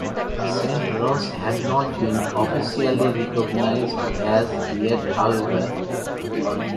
Saint Roch had not been officially recognized as yet, however.